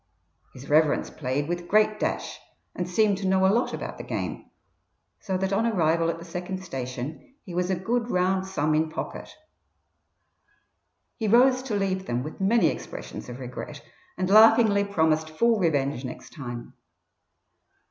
His reverence played with great dash, and seemed to know a lot about the game, so that on arrival at the second station he was a good round sum in pocket. He rose to leave them with many expressions of regret, and laughingly promised full revenge next time.